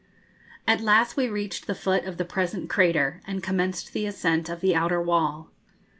At last we reached the foot of the present crater, and commenced the ascent of the outer wall.